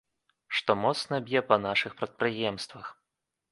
Што моцна б'е па нашых прадпрыемствах.